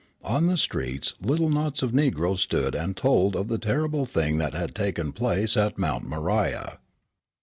On the streets little knots of negroes stood and told of the terrible thing that had taken place at Mount Moriah.